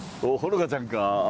ほのかちゃんか。